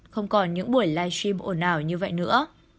không còn những buổi live stream ổn ảo như vậy nữa